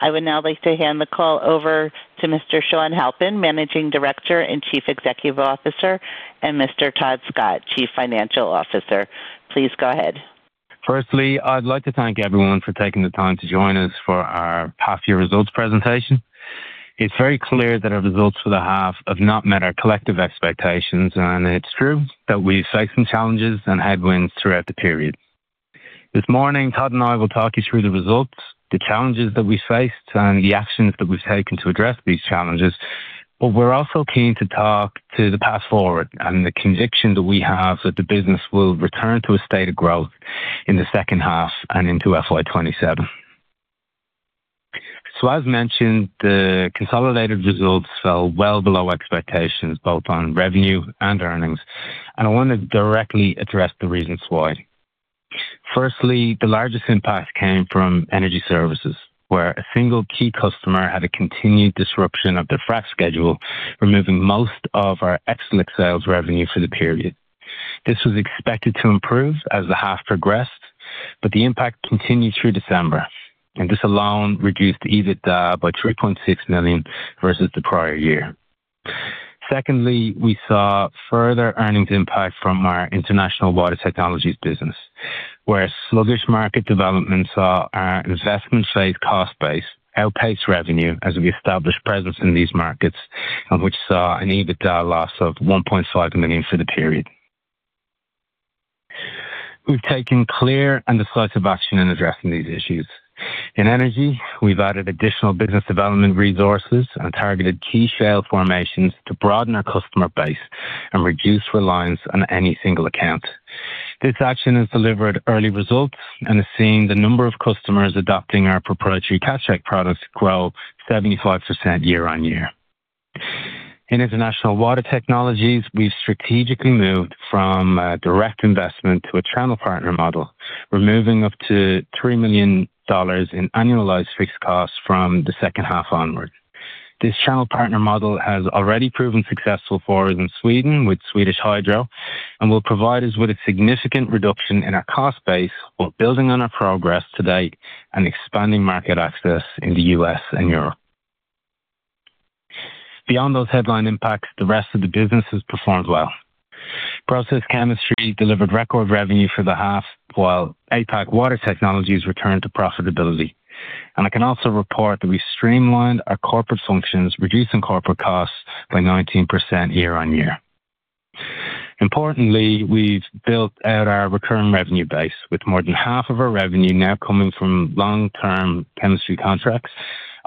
I would now like to hand the call over to Mr. Seán Halpin, Managing Director and Chief Executive Officer, and Mr. Todd Scott, Chief Financial Officer. Please go ahead. Firstly, I'd like to thank everyone for taking the time to join us for our past year results presentation. It's very clear that our results for the half have not met our collective expectations, and it's true that we faced some challenges and headwinds throughout the period. This morning, Todd and I will talk you through the results, the challenges that we faced, and the actions that we've taken to address these challenges. We're also keen to talk to the path forward and the conviction that we have that the business will return to a state of growth in the second half and into FY 2027. As mentioned, the consolidated results fell well below expectations, both on revenue and earnings, and I want to directly address the reasons why. Firstly, the largest impact came from energy services, where a single key customer had a continued disruption of their frack schedule, removing most of our xSlik sales revenue for the period. This was expected to improve as the half progressed, but the impact continued through December, and this alone reduced EBITDA by 3.6 million versus the prior year. Secondly, we saw further earnings impact from our international Water Technologies business, where sluggish market development saw our investment-based cost base outpace revenue as we established presence in these markets, and which saw an EBITDA loss of 1.5 million for the period. We've taken clear and decisive action in addressing these issues. In energy, we've added additional business development resources and targeted key shale formations to broaden our customer base and reduce reliance on any single account. This action has delivered early results and has seen the number of customers adopting our proprietary CatChek products grow 75% year-on-year. In international Water Technologies, we've strategically moved from a direct investment to a channel partner model, removing up to 3 million dollars in annualized fixed costs from the second half onward. This channel partner model has already proven successful for us in Sweden with Swedish Hydro and will provide us with a significant reduction in our cost base, while building on our progress to date and expanding market access in the U.S. and Europe. Beyond those headline impacts, the rest of the businesses performed well. Process Chemistry delivered record revenue for the half, while APAC Water Technologies returned to profitability. I can also report that we streamlined our corporate functions, reducing corporate costs by 19% year-on-year. Importantly, we've built out our recurring revenue base, with more than half of our revenue now coming from long-term chemistry contracts,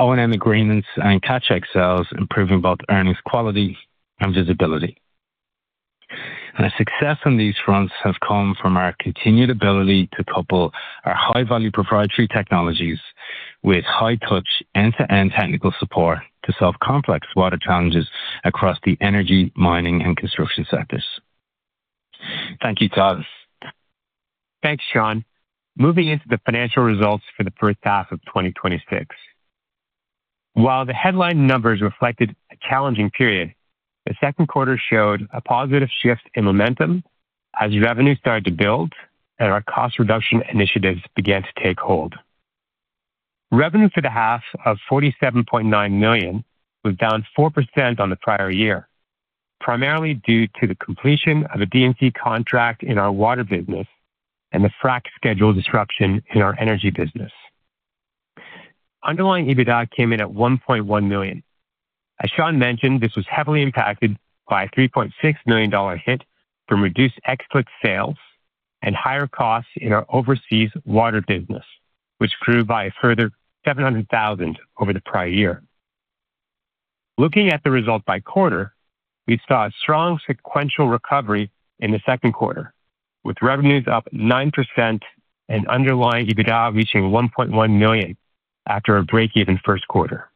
O&M agreements, and CatChek sales, improving both earnings quality and visibility. Our success on these fronts have come from our continued ability to couple our high-value proprietary technologies with high-touch, end-to-end technical support to solve complex water challenges across the energy, mining, and construction sectors. Thank you, Todd. Thanks, Seán. Moving into the financial results for the first half of 2026. While the headline numbers reflected a challenging period, the second quarter showed a positive shift in momentum as revenue started to build and our cost reduction initiatives began to take hold. Revenue for the half of 47.9 million was down 4% on the prior year, primarily due to the completion of a D&C contract in our water business and the frack schedule disruption in our energy business. Underlying EBITDA came in at 1.1 million. As Seán mentioned, this was heavily impacted by a 3.6 million dollar hit from reduced xSlik sales and higher costs in our overseas water business, which grew by a further 700,000 over the prior year. Looking at the result by quarter, we saw a strong sequential recovery in the second quarter, with revenues up 9% and underlying EBITDA reaching 1.1 million after a break-even first quarter.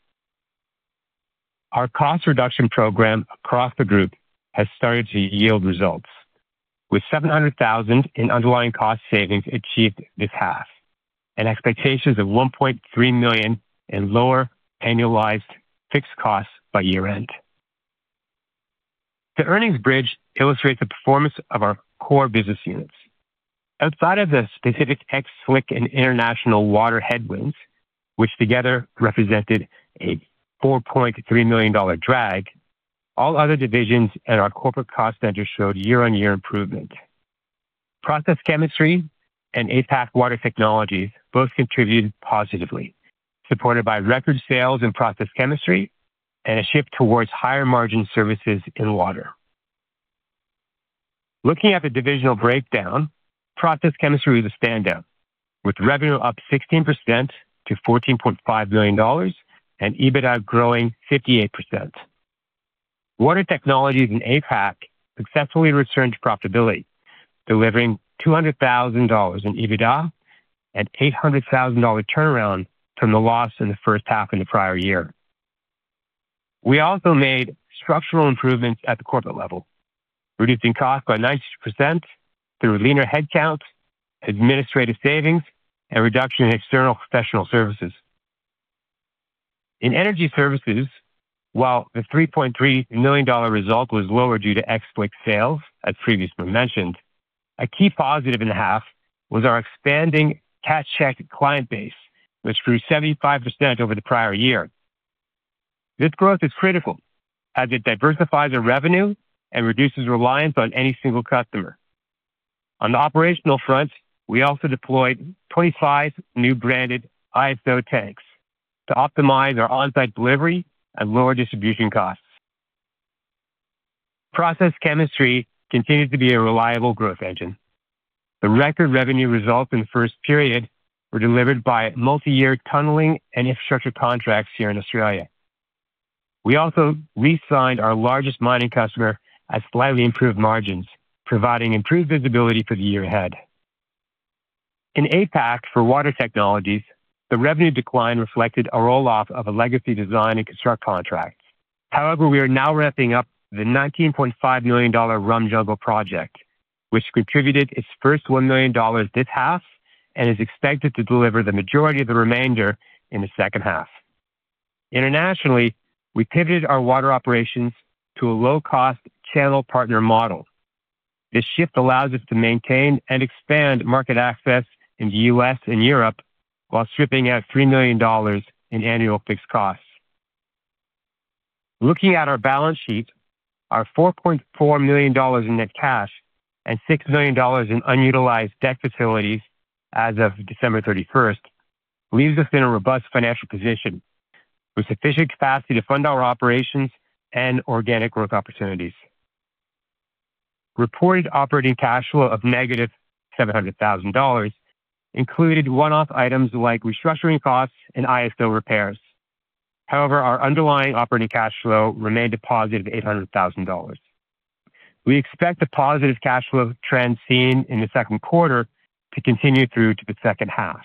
Our cost reduction program across the group has started to yield results, with 700,000 in underlying cost savings achieved this half and expectations of 1.3 million in lower annualized fixed costs by year-end. The earnings bridge illustrates the performance of our core business units. Outside of the specific xSlik and international water headwinds, which together represented a 4.3 million dollar drag, all other divisions at our corporate cost center showed year-on-year improvement. Process Chemistry and APAC Water Technologies both contributed positively, supported by record sales in Process Chemistry and a shift towards higher-margin services in water. Looking at the divisional breakdown, Process Chemistry was a standout, with revenue up 16% to 14.5 million dollars and EBITDA growing 58%. Water Technologies in APAC successfully returned to profitability, delivering 200,000 dollars in EBITDA and 800,000 dollar turnaround from the loss in the first half in the prior year. We also made structural improvements at the corporate level, reducing costs by 19% through leaner headcount, administrative savings, and reduction in external professional services. In energy services, while the 3.3 million dollar result was lower due to X-Floc sales, as previously mentioned, a key positive in half was our expanding CatChek client base, which grew 75% over the prior year. This growth is critical as it diversifies our revenue and reduces reliance on any single customer. On the operational front, we also deployed 25 new branded ISO tanks to optimize our on-site delivery and lower distribution costs. Process Chemistry continues to be a reliable growth engine. The record revenue results in the first period were delivered by multi-year tunneling and infrastructure contracts here in Australia. We also re-signed our largest mining customer at slightly improved margins, providing improved visibility for the year ahead. In APAC, for Water Technologies, the revenue decline reflected a roll-off of a legacy design and construct contract. However, we are now ramping up the 19.5 million dollar Rum Jungle project, which contributed its first 1 million dollars this half and is expected to deliver the majority of the remainder in the second half. Internationally, we pivoted our water operations to a low-cost channel partner model. This shift allows us to maintain and expand market access in the U.S. and Europe, while stripping out 3 million dollars in annual fixed costs. Looking at our balance sheet, our 4.4 million dollars in net cash and 6 million dollars in unutilized debt facilities as of December 31st, leaves us in a robust financial position with sufficient capacity to fund our operations and organic growth opportunities. Reported operating cash flow of negative 700,000 dollars included one-off items like restructuring costs and ISO repairs. Our underlying operating cash flow remained a positive 800,000 dollars. We expect the positive cash flow trend seen in the second quarter to continue through to the second half.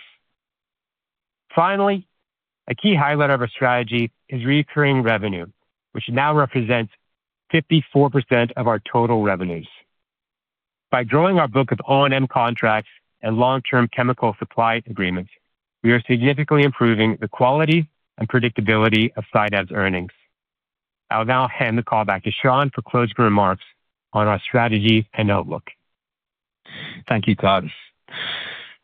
A key highlight of our strategy is recurring revenue, which now represents 54% of our total revenues. By growing our book of O&M contracts and long-term chemical supply agreements, we are significantly improving the quality and predictability of SciDev's earnings. I will now hand the call back to Seán for closing remarks on our strategy and outlook. Thank you, Todd.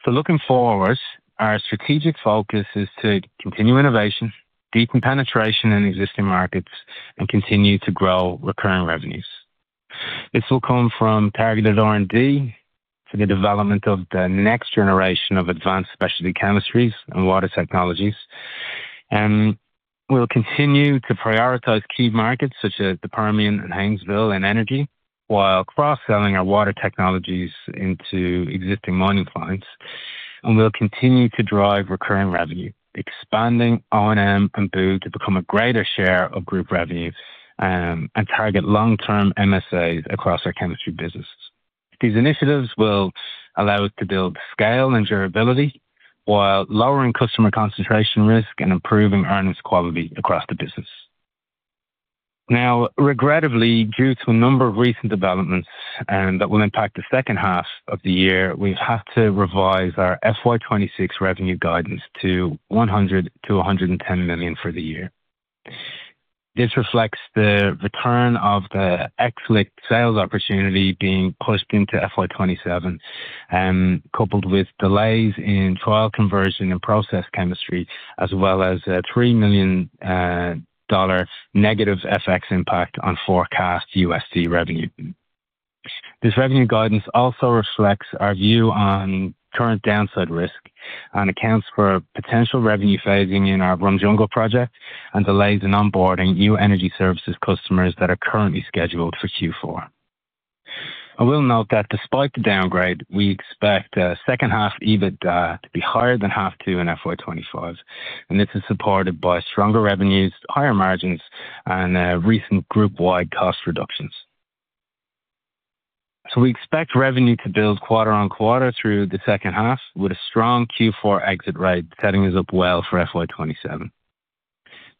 Looking forward, our strategic focus is to continue innovation, deepen penetration in existing markets, and continue to grow recurring revenues. This will come from targeted R&D for the development of the next generation of advanced specialty chemistries and Water Technologies. We will continue to prioritize key markets such as the Permian and Haynesville and energy, while cross-selling our Water Technologies into existing mining clients. We'll continue to drive recurring revenue, expanding O&M and BOO to become a greater share of group revenue, and target long-term MSAs across our chemistry businesses. These initiatives will allow us to build scale and durability while lowering customer concentration risk and improving earnings quality across the business. Regrettably, due to a number of recent developments and that will impact the second half of the year, we've had to revise our FY 2026 revenue guidance to 100 million-110 million for the year. This reflects the return of the X-Floc sales opportunity being pushed into FY 2027, coupled with delays in trial conversion and Process Chemistry, as well as a $3 million negative FX impact on forecast USD revenue. This revenue guidance also reflects our view on current downside risk and accounts for potential revenue phasing in our Rum Jungle project and delays in onboarding new energy services customers that are currently scheduled for Q4. I will note that despite the downgrade, we expect second half EBITDA to be higher than half two in FY 2025. This is supported by stronger revenues, higher margins, and recent group-wide cost reductions. We expect revenue to build quarter-on-quarter through the second half, with a strong Q4 exit rate, setting us up well for FY 2027.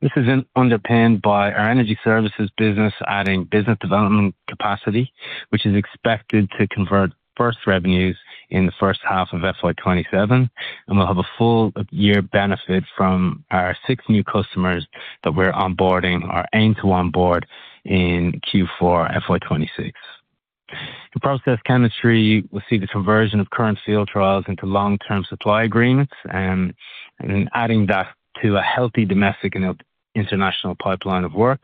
This is underpinned by our energy services business, adding business development capacity, which is expected to convert first revenues in the first half of FY 2027. We'll have a full year benefit from our six new customers that we're onboarding or aim to onboard in Q4 FY 2026. In Process Chemistry, we'll see the conversion of current field trials into long-term supply agreements, and adding that to a healthy domestic and international pipeline of work.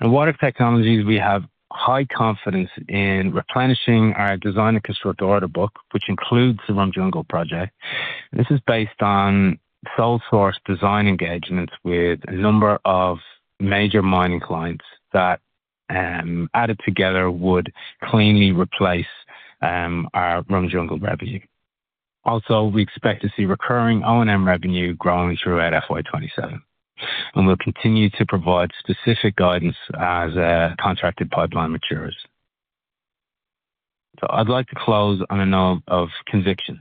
In Water Technologies, we have high confidence in replenishing our design and construct order book, which includes the Rum Jungle project. This is based on sole source design engagements with a number of major mining clients that, added together, would cleanly replace our Rum Jungle revenue. We expect to see recurring O&M revenue growing throughout FY 2027, and we'll continue to provide specific guidance as a contracted pipeline matures. I'd like to close on a note of conviction.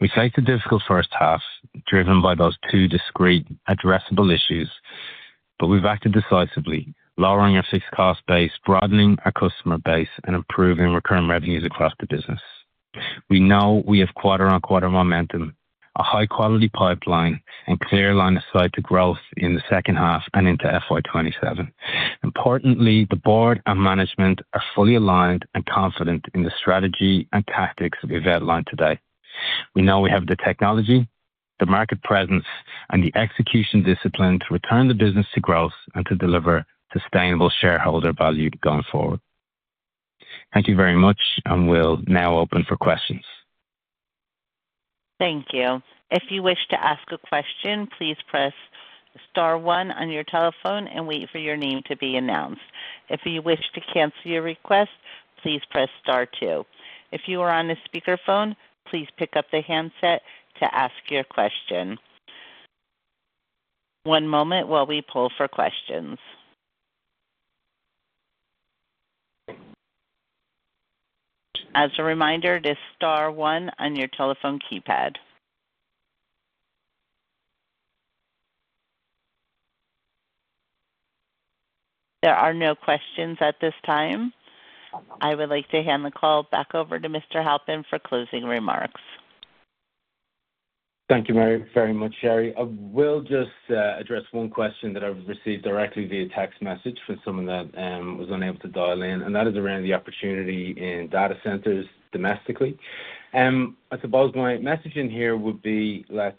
We faced a difficult first half, driven by those two discrete addressable issues. We've acted decisively, lowering our fixed cost base, broadening our customer base, and improving recurring revenues across the business. We know we have quarter-on-quarter momentum, a high-quality pipeline, and clear line of sight to growth in the second half and into FY 2027. Importantly, the board and management are fully aligned and confident in the strategy and tactics we've outlined today. We know we have the technology, the market presence, and the execution discipline to return the business to growth and to deliver sustainable shareholder value going forward. Thank you very much. We'll now open for questions. Thank you. If you wish to ask a question, please press star one on your telephone and wait for your name to be announced. If you wish to cancel your request, please press star two. If you are on a speakerphone, please pick up the handset to ask your question. One moment while we poll for questions. As a reminder, it is star one on your telephone keypad. There are no questions at this time. I would like to hand the call back over to Mr. Halpin for closing remarks. Thank you very, very much, Sherry. I will just address one question that I've received directly via text message from someone that was unable to dial in, and that is around the opportunity in data centers domestically. I suppose my messaging here would be, let's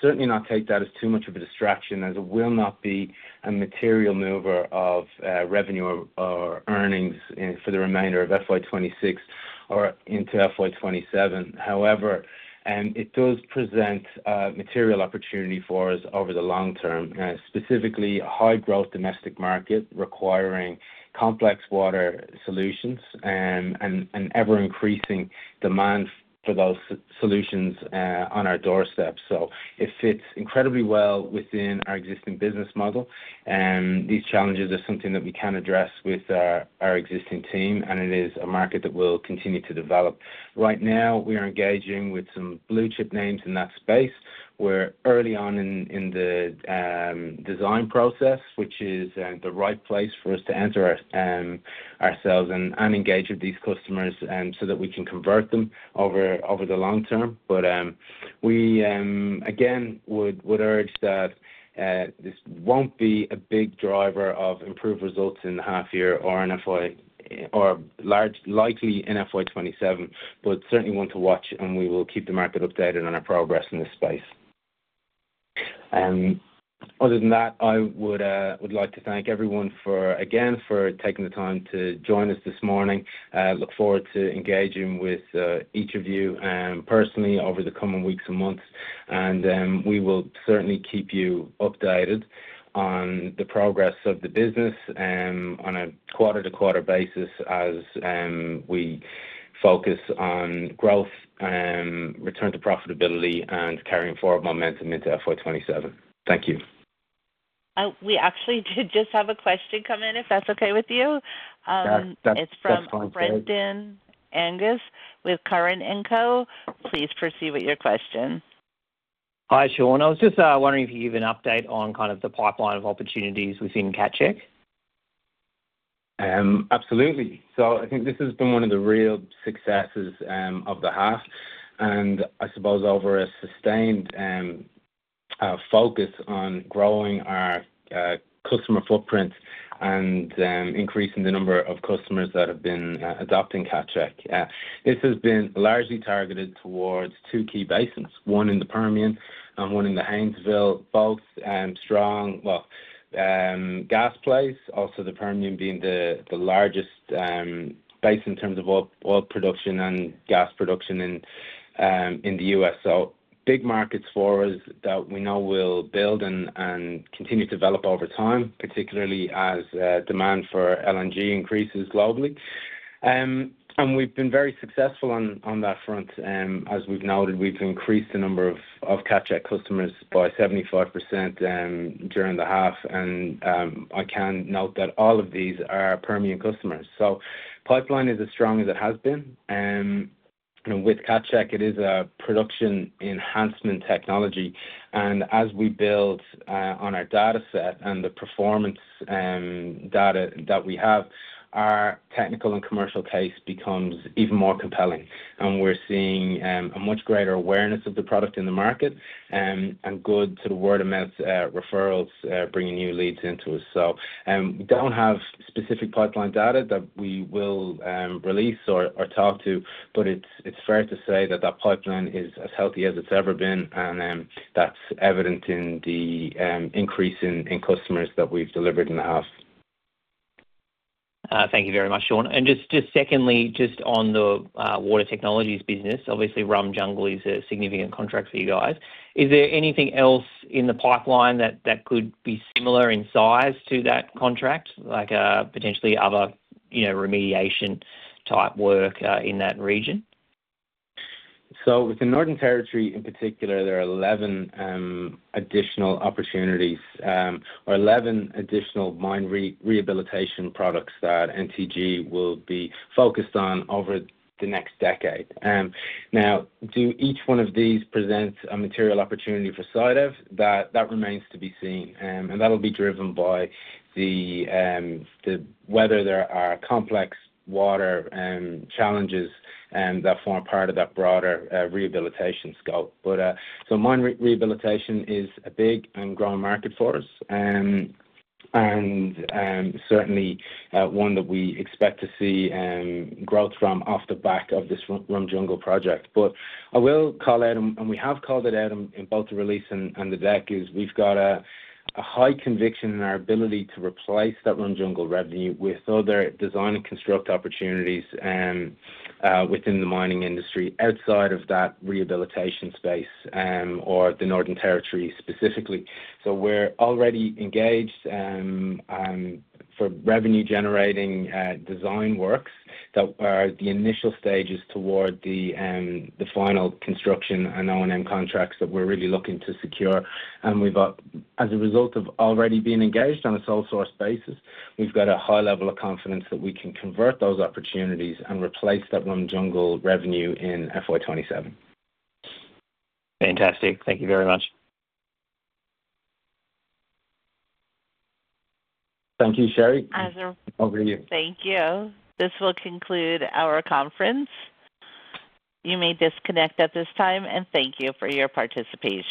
certainly not take that as too much of a distraction, as it will not be a material mover of revenue or earnings for the remainder of FY 2026 or into FY 2027. However, it does present material opportunity for us over the long term, specifically a high-growth domestic market requiring complex water solutions, and ever-increasing demand for those solutions on our doorstep. It fits incredibly well within our existing business model, and these challenges are something that we can address with our existing team, and it is a market that will continue to develop. Right now, we are engaging with some blue-chip names in that space. We're early on in the design process, which is the right place for us to enter ourselves and engage with these customers so that we can convert them over the long term. We again would urge that this won't be a big driver of improved results in the half year or likely in FY 2027, but certainly one to watch, and we will keep the market updated on our progress in this space. Other than that, I would like to thank everyone for taking the time to join us this morning. Look forward to engaging with each of you personally over the coming weeks and months. We will certainly keep you updated on the progress of the business on a quarter-to-quarter basis as we focus on growth, return to profitability, and carrying forward momentum into FY 2027. Thank you. We actually did just have a question come in, if that's okay with you. That fine. It's from Brendon Agius with Curran & Co. Please proceed with your question. Hi, Seán. I was just wondering if you could give an update on kind of the pipeline of opportunities within CatChek. Absolutely. I think this has been one of the real successes of the half, and I suppose over a sustained focus on growing our customer footprint and increasing the number of customers that have been adopting CatChek. This has been largely targeted towards two key basins, one in the Permian and one in the Haynesville, both strong, well, gas plays, also the Permian being the largest base in terms of oil production and gas production in the U.S. Big markets for us that we know will build and continue to develop over time, particularly as demand for LNG increases globally. We've been very successful on that front. As we've noted, we've increased the number of CatChek customers by 75% during the half. I can note that all of these are Permian customers. Pipeline is as strong as it has been. With CatChek, it is a production enhancement technology. As we build on our data set and the performance data that we have, our technical and commercial case becomes even more compelling. We're seeing a much greater awareness of the product in the market and good to the word-of-mouth referrals bringing new leads into us. We don't have specific pipeline data that we will release or talk to, but it's fair to say that that pipeline is as healthy as it's ever been, and that's evident in the increase in customers that we've delivered in the house. Thank you very much, Seán. Just secondly, just on the Water Technologies business. Obviously, Rum Jungle is a significant contract for you guys. Is there anything else in the pipeline that could be similar in size to that contract, like, potentially other, you know, remediation type work in that region? With the Northern Territory in particular, there are 11 additional opportunities, or 11 additional mine rehabilitation products that NTG will be focused on over the next decade. Now, do each one of these present a material opportunity for SciDev? That remains to be seen, and that'll be driven by whether there are complex water challenges that form part of that broader rehabilitation scope. Mine rehabilitation is a big and growing market for us, and certainly one that we expect to see growth from off the back of this Rum Jungle project. I will call it out, and we have called it out in both the release and the deck, is we've got a high conviction in our ability to replace that Rum Jungle revenue with other design and construct opportunities within the mining industry outside of that rehabilitation space or the Northern Territory specifically. We're already engaged for revenue-generating design works that are the initial stages toward the final construction and O&M contracts that we're really looking to secure. As a result of already being engaged on a sole source basis, we've got a high level of confidence that we can convert those opportunities and replace that Rum Jungle revenue in FY 2027. Fantastic. Thank you very much. Thank you, Sherry. Over to you. Thank you. This will conclude our conference. You may disconnect at this time, and thank you for your participation.